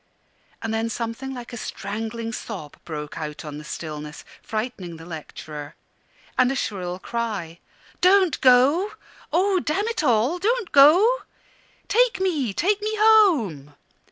And then something like a strangling sob broke out on the stillness, frightening the lecturer; and a shrill cry "Don't go oh, damn it all! don't go! Take me take me home!"